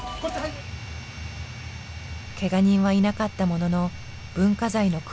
けが人はいなかったものの文化財の蔵